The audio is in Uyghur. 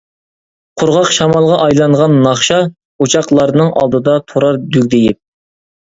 قۇرغاق شامالغا ئايلانغان ناخشا، ئوچاقلارنىڭ ئالدىدا تۇرار دۈگدىيىپ.